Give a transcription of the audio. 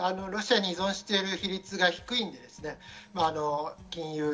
ロシアに依存している比率が低いんですね。